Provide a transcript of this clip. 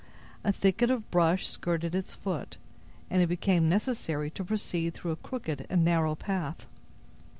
A thicket of brush skirted its foot, and it became necessary to proceed through a crooked and narrow path.